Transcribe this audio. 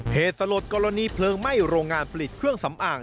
เหตุสลดกรณีเพลิงไหม้โรงงานผลิตเครื่องสำอาง